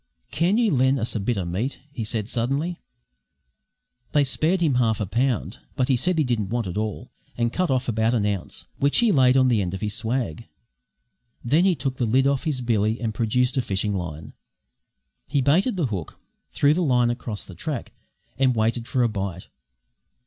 "Can you len' us a bit o' meat?" said he suddenly. They spared him half a pound; but he said he didn't want it all, and cut off about an ounce, which he laid on the end of his swag. Then he took the lid off his billy and produced a fishing line. He baited the hook, threw the line across the track, and waited for a bite.